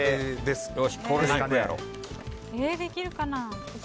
できるかな。